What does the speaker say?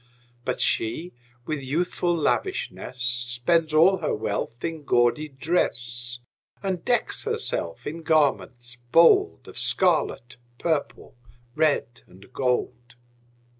But she, with youthful lavishness, Spends all her wealth in gaudy dress, And decks herself in garments bold Of scarlet, purple, red, and gold.